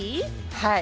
はい！